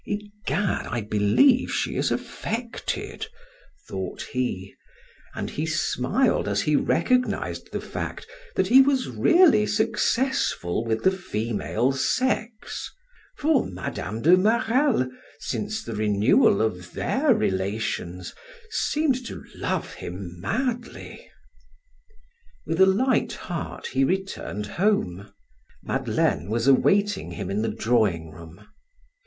"Egad, I believe she is affected," thought he; and he smiled as he recognized the fact that he was really successful with the female sex, for Mme. de Marelle, since the renewal of their relations, seemed to love him madly. With a light heart he returned home. Madeleine was awaiting him in the drawing room.